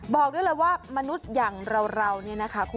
บอกด้วยเลยว่ามนุษย์อย่างเราราวนี้นะคะ